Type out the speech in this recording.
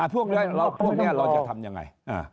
พวกนี้เราจะทำยังไง